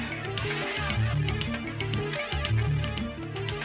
oh itu orangnya